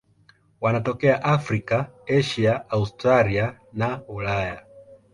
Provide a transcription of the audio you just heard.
Wanatokea Afrika, Asia, Australia na Ulaya.